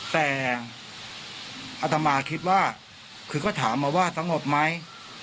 แต่อัตมาคิดว่าคือก็ถามมาว่าสงบไหม